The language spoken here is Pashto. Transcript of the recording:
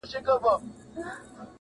تم سه چي مسکا ته دي نغمې د بلبل واغوندم,